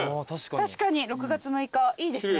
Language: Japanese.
確かに「六月六日」いいですね。